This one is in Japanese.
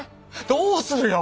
どうするよ！